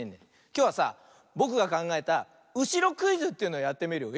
きょうはさぼくがかんがえた「うしろクイズ」というのやってみるよ。